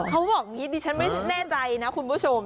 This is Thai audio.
เขาบอกอย่างนี้ดิฉันไม่แน่ใจนะคุณผู้ชม